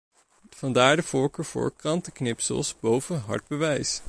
Vandaar de voorkeur voor krantenknipsels boven hard bewijs.